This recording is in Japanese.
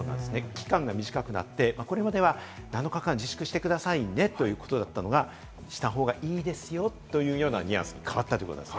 期間が短くなって、これまでは７日間で自粛してくださいねということだったのが、したほうがいいですよというような、ニュアンスに変わったということです。